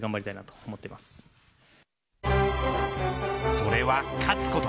それは、勝つこと。